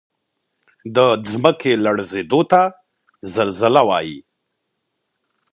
د ځمکې لړزیدو ته زلزله وایي